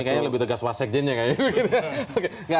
ini kayaknya lebih tegas wasek jennya